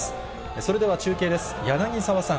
それでは中継です。